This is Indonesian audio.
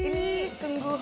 ini tunggu homie